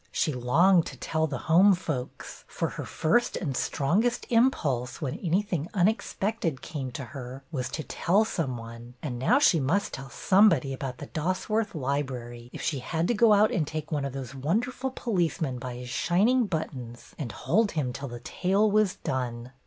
She longed to tell the home folks, for her first and strongest impulse, when anything unexpected came to her, was to tell some one ; and now she must tell some body about the Dosworth Library, if she had to go out and take one of those wonderful policemen by his shining buttons and hold him till the tale was done.